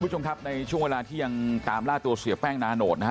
คุณผู้ชมครับในช่วงเวลาที่ยังตามล่าตัวเสียแป้งนาโนตนะฮะ